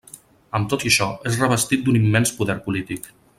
Amb tot i això, és revestit d'un immens poder polític.